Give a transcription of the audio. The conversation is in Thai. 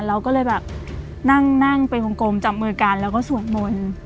เราก็เลยแบบนั่งเป็นกลมจับมือกันแล้วก็สวดมนต์